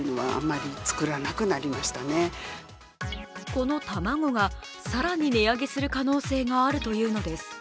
この卵が、更に値上げする可能性があるというのです。